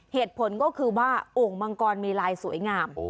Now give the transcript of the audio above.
เหตุผลก็คือว่าโอ่งมังกรมีลายสวยงาม